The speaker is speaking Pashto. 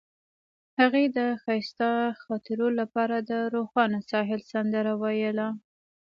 هغې د ښایسته خاطرو لپاره د روښانه ساحل سندره ویله.